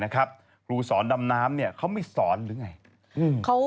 ครูสอนดำน้ำเขาไม่สอนหรือไง